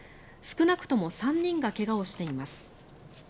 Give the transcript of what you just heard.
少なくとも３人が怪我をしています。